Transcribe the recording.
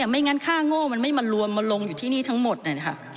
ไม่งั้นค่าโง่มันไม่มารวมมาลงอยู่ที่นี่ทั้งหมดนะคะ